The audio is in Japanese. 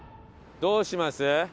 どうします？